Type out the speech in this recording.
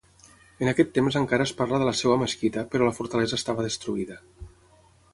En aquest temps encara es parla de la seva mesquita però la fortalesa estava destruïda.